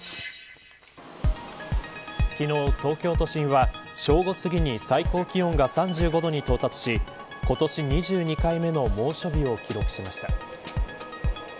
昨日、東京都心は正午すぎに最高気温が３５度に到達し今年２２回目の猛暑日を記録しました。